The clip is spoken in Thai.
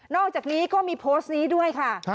อกจากนี้ก็มีโพสต์นี้ด้วยค่ะ